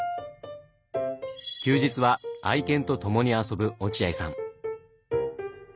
休日は愛犬と共に遊ぶ落合さん。